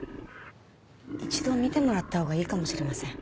一度診てもらったほうがいいかもしれません。